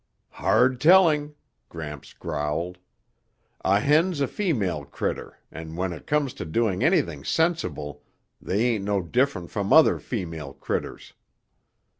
"Hard telling," Gramps growled. "A hen's a female critter and when it comes to doing anything sensible they ain't no different from other female critters.